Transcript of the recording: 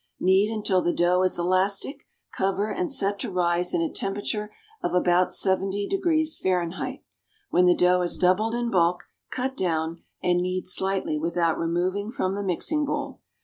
Knead until the dough is elastic; cover, and set to rise in a temperature of about 70° Fahr. When the dough has doubled in bulk, "cut down" and knead slightly without removing from the mixing bowl.